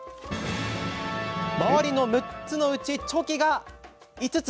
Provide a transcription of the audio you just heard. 周りの６つのうちチョキが５つ。